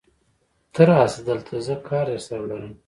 ته راشه دلته، زه کار درسره لرم.